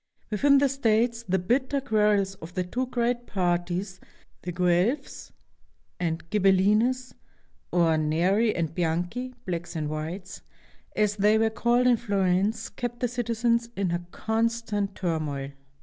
Within the states the bitter quarrels of the two great parties, the Guelphs and Ghibel hnes, or Neri and Bianchi (blacks and whites), as they were called in Florence, kept the citizens in constant turmoil.